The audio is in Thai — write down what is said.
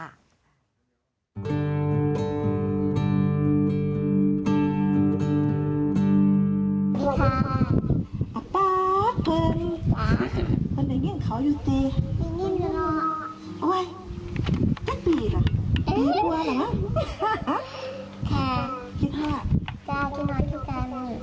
มีนินรอ